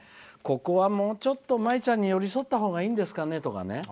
ここは、もうちょっと舞ちゃんに寄り添ったほうがいいんじゃないかとかね。